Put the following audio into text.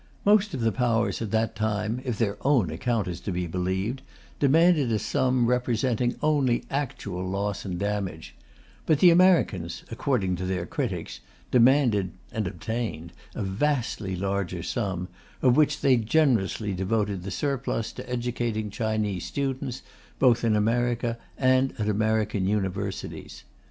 Most of the Powers, at that time, if their own account is to be believed, demanded a sum representing only actual loss and damage, but the Americans, according to their critics, demanded (and obtained) a vastly larger sum, of which they generously devoted the surplus to educating Chinese students, both in China and at American universities.